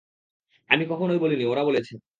আমি কখনোই বলিনি, ওরা বলেছে।